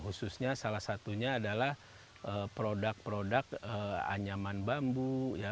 khususnya salah satunya adalah produk produk anyaman bambu